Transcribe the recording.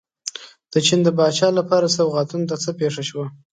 د چین د پاچا لپاره سوغاتونو ته څه پېښه شوه.